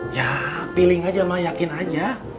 ya feeling aja mah yakin aja